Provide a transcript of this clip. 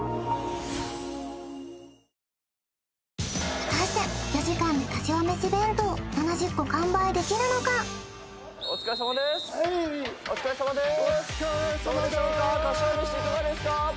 果たして４時間でかしわめし弁当７０個完売できるのかおつかれさまですおつかれさまです